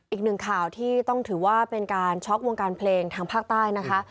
อีกหนึ่งข่าวที่ต้องถือว่าเป็นการช็อกวงการเพลงทางภาคใต้นะคะ